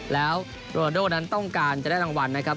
แล้วโรนาโดนั้นต้องการจะได้รางวัลนะครับ